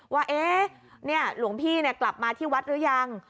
ว่าเอ้อแน่หลวงพี่เนี่ยกลับมาที่วัดรึยัง